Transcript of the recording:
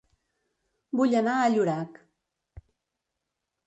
Vull anar a Llorac